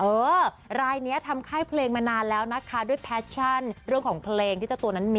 เออรายนี้ทำค่ายเพลงมานานแล้วนะคะด้วยแพชชั่นเรื่องของเพลงที่เจ้าตัวนั้นมี